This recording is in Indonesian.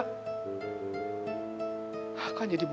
kan jadi buang dua waktu aja